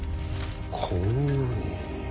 こんなに。